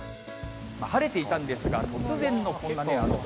晴れていたんですが、突然のこんな雨と。